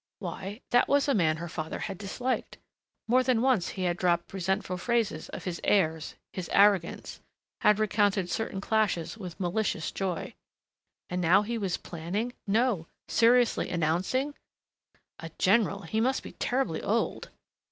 Why, that was a man her father had disliked ... more than once he had dropped resentful phrases of his airs, his arrogance ... had recounted certain clashes with malicious joy. And now he was planning no, seriously announcing A general ... He must be terribly old....